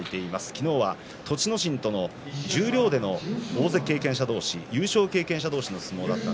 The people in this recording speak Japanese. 昨日は栃ノ心との十両での大関経験者同士優勝経験者同士の相撲でした。